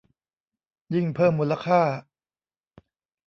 ยิ่งเพิ่มมูลค่า